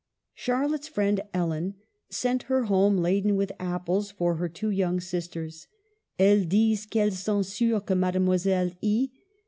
Charlotte's friend, Ellen, sent her home laden with apples for her two young sisters :" Elles disent qu'elles sont sur que Mademoiselle E.